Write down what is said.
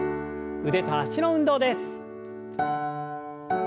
腕と脚の運動です。